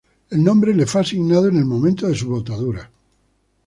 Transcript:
El nombre, le fue asignado en el momento de su botadura.